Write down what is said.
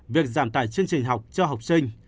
việc giảm tài chương trình học cho học sinh